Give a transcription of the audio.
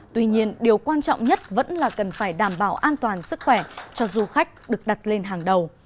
tuy nhiên điều quan trọng nhất vẫn là cần phải đảm bảo an toàn sức khỏe cho du khách được đặt lên hàng đầu